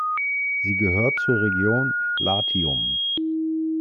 Sie gehört zur Region Latium.